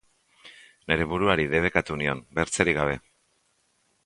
Neure buruari debekatu nion, bertzerik gabe.